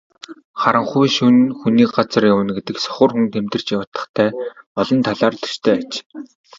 Харанхуй шөнө хүний газар явна гэдэг сохор хүн тэмтэрч ядахтай олон талаар төстэй аж.